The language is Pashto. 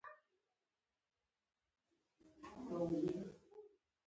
د میرمنو کار او تعلیم مهم دی ځکه چې ټولنې برابرۍ بنسټ پیاوړی کوي.